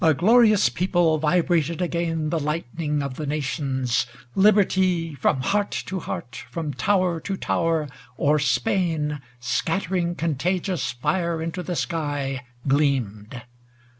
A GLORIOUS people vibrated again The lightning of the Nations; Liberty, From heart to heart, from tower to tower, o'er Spain, Scattering contagious fire into the sky. Gleamed.